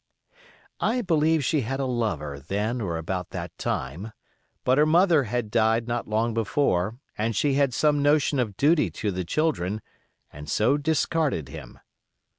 I believe she had a lover then or about that time; but her mother had died not long before, and she had some notion of duty to the children, and so discarded him.